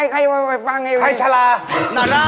ใครฟังเฮ้ย